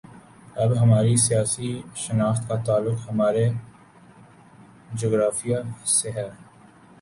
اب ہماری سیاسی شناخت کا تعلق ہمارے جغرافیے سے ہے۔